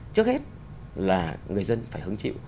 trước hết là người dân phải hứng chịu